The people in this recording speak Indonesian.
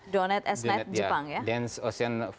dunet dan esnet jepang ya